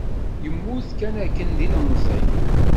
Yemmut kanakken d ilemẓi.